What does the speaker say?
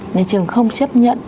nhà trường không chấp nhận